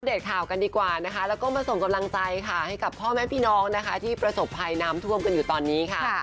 ข่าวกันดีกว่านะคะแล้วก็มาส่งกำลังใจค่ะให้กับพ่อแม่พี่น้องนะคะที่ประสบภัยน้ำท่วมกันอยู่ตอนนี้ค่ะ